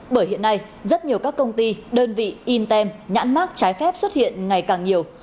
bởi hiện nay rất nhiều các công ty đơn vị in tem nhãn mát trái phép xuất hiện ngày càng nhiều